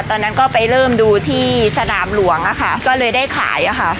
ตอนนั้นก็ไปเริ่มดูที่สนามหลวงอะค่ะก็เลยได้ขายอะค่ะ